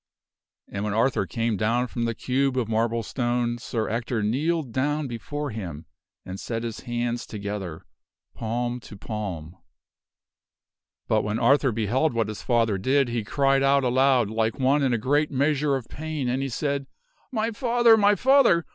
And when Arthur came down from the cube of marble stone, Sir Ector kneeled down before him and set his hands together, palm to palm. But when Arthur beheld what his father did, he cried out aloud like one in a great measure of pain; and he said, My father! my father!